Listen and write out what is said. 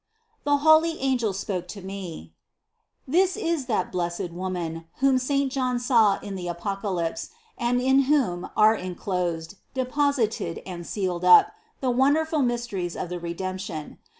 The holy an gels spoke to me: "This is that blessed Woman, whom Saint John saw in the Apocalypse, and in whom are en closed, deposited and sealed up the wonderful mysteries of the Redemption.